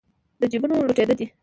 د جېبونو لوټېده دي